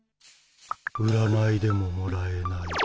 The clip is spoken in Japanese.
うらないでももらえない。